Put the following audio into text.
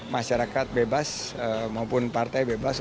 masyarakat bebas maupun partai bebas